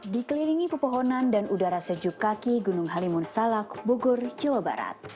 dikelilingi pepohonan dan udara sejuk kaki gunung halimun salak bogor jawa barat